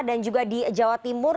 dan juga di jawa timur